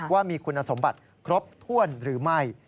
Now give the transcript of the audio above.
ว่ามีคุณสมบัติครบถ้วนหรือไม่